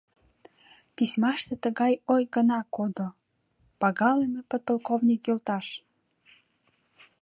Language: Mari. Письмаште тыгай ой гына кодо: «Пагалыме подполковник йолташ!